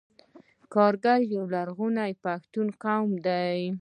کاکړ یو لرغونی پښتنی قوم دی.